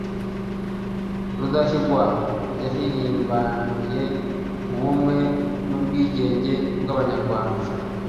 Rudahigwa yahirimbaniye ubumwe n’ubwigenge by’Abanyarwanda